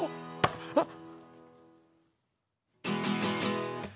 あっ！